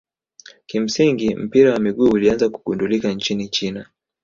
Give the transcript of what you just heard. kimsingi mpira wa miguu ulianza kugundulika nchini china